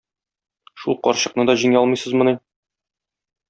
Шул карчыкны да җиңә алмыйсызмыни?